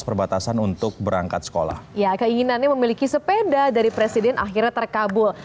perbatasan untuk berangkat sekolah ya keinginannya memiliki sepeda dari presiden akhirnya terkabul